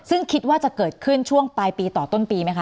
ซึ่งคิดว่าจะเกิดขึ้นช่วงปลายปีต่อต้นปีไหมคะ